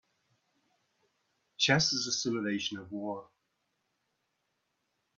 Chess is a simulation of war.